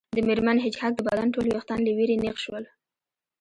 د میرمن هیج هاګ د بدن ټول ویښتان له ویرې نیغ شول